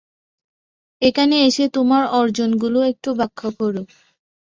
এখানে এসে তোমার অর্জনগুলো একটু ব্যাখ্যা করো।